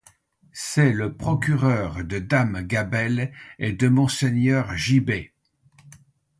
C'est le procureur de dame Gabelle et de monseigneur Gibet.